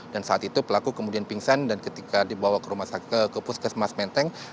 saat itu pelaku kemudian pingsan dan ketika dibawa ke puskesmas menteng